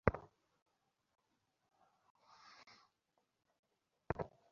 সীতা কখনও আঘাতের পরিবর্তে আঘাত দেন নাই।